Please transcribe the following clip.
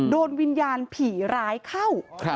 โดนวิญญาณผีร้ายเข้า